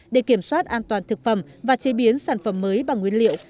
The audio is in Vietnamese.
để kiểm soát an toàn thực phẩm và chế biến sản phẩm mới bằng nguyên liệu